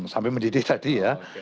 sampai mendidih tadi ya